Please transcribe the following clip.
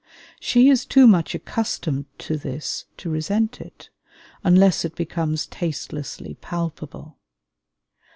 She is too much accustomed to this to resent it, unless it becomes tastelessly palpable.